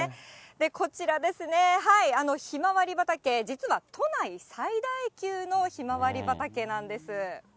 こちらですね、ひまわり畑、実は都内最大級のひまわり畑なんです。